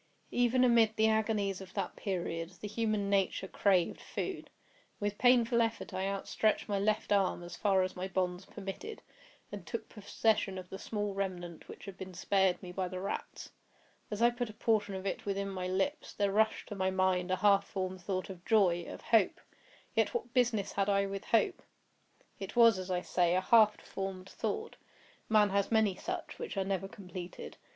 Even amid the agonies of that period, the human nature craved food. With painful effort I outstretched my left arm as far as my bonds permitted, and took possession of the small remnant which had been spared me by the rats. As I put a portion of it within my lips, there rushed to my mind a half formed thought of joy—of hope. Yet what business had I with hope? It was, as I say, a half formed thought—man has many such, which are never completed.